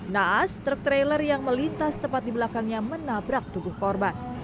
naas truk trailer yang melintas tepat di belakangnya menabrak tubuh korban